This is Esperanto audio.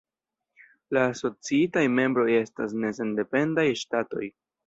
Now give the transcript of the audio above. La asociitaj membroj estas ne sendependaj ŝtatoj.